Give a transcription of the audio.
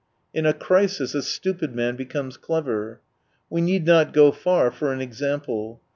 In a crisis, a stupid man becomes clever. We need not go far for an example.